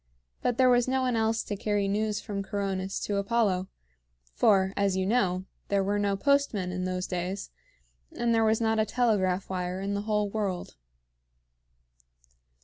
But there was no one else to carry news from Coronis to Apollo; for, as you know, there were no postmen in those days, and there was not a telegraph wire in the whole world.